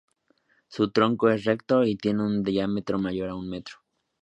Su tronco es recto y tiene un diámetro mayor a un metro.